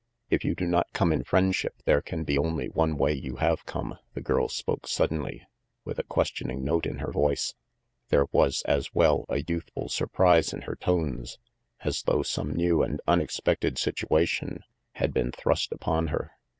"If you do not come in friendship, there can be only one way you have come," the girl spoke sud denly, with a questioning note in her voice. There was, as well, a youthful surprise in her tones, as though some new and unexpected situation had been 288 RANGY PETE thrust upon her.